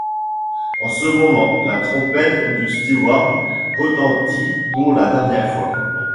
En ce moment, la trompette du steward retentit pour la dernière fois.